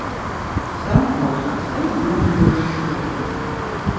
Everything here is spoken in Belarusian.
Сам аўтар ставіць мэту больш шырокую.